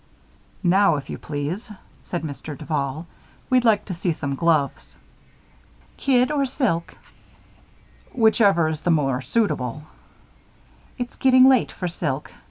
"Now, if you please," said Mr. Duval, "we'd like to see some gloves." "Kid, or silk?" "Whichever is the more suitable." "It's getting late for silk.